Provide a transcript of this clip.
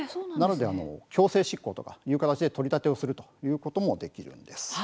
強制執行という形で取り立てをするということもできます。